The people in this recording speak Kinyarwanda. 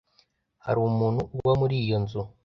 Hari umuntu uba muri iyo nzu?